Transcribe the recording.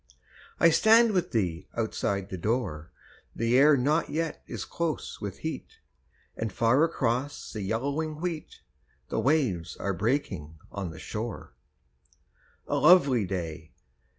I stand with thee outside the door, The air not yet is close with heat, And far across the yellowing wheat The waves are breaking on the shore. A lovely day!